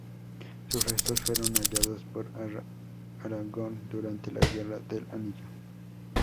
Sus restos fueron hallados por Aragorn durante la Guerra del Anillo.